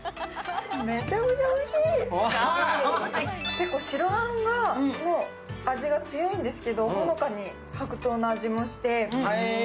結構白あんの味が強いんですけど、ほのかに白桃の味もして。